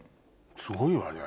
すごいわね